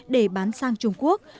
để bán sang trung quốc